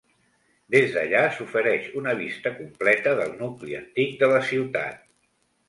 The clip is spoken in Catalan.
Des d'allà s'ofereix una vista completa del nucli antic de la ciutat.